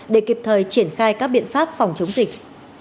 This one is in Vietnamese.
để kịp thời triển khai các biện pháp phòng chống dịch